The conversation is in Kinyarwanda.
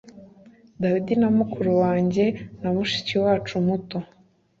dawidi na mukuru wanjye na mushiki wacu muto